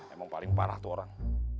emang paling parah tuh orang